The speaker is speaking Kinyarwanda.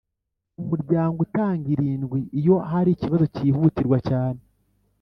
Umuryango utanga irindwi iyo hari ikibazo cyihutirwa cyane.